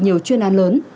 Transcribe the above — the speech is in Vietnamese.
nhiều chuyên án lớn